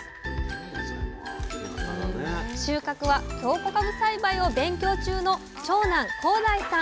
収穫は京こかぶ栽培を勉強中の長男耕大さん